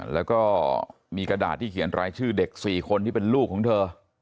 แล้วก็มีกระดาษที่เขียนรายชื่อเด็ก๔คนที่เป็นลูกของเธอ